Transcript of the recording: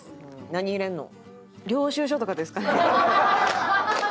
何入れるの？